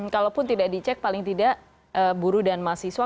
kalaupun tidak di check paling tidak buruh dan mahasiswa